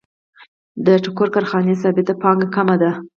د ټوکر کارخانې ثابته پانګه کمه ده